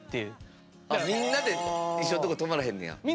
みんなで一緒のとこ泊まらへんねや。